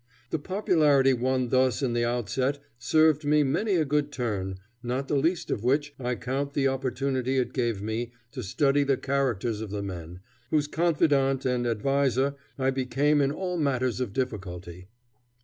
The popularity won thus in the outset served me many a good turn, not the least of which I count the opportunity it gave me to study the characters of the men, whose confidant and adviser I became in all matters of difficulty.